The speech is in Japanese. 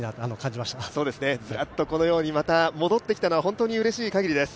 またこのように戻ってきたのは本当にうれしい限りです。